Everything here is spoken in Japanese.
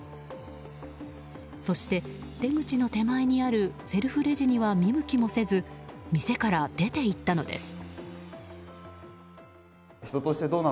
そして出口の手前にあるセルフレジには見向きもせず店から出ていったのです。